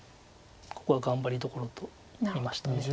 ここは頑張りどころと見ました。